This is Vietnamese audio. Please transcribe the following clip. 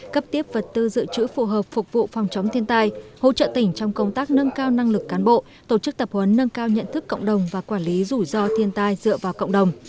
cấp tiếp vật tư dự trữ phù hợp phục vụ phòng chống thiên tai hỗ trợ tỉnh trong công tác nâng cao năng lực cán bộ tổ chức tập huấn nâng cao nhận thức cộng đồng và quản lý rủi ro thiên tai dựa vào cộng đồng